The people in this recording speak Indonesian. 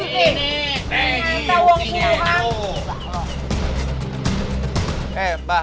bers inhale yang serbal